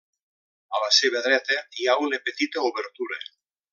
A la seva dreta, hi ha una petita obertura.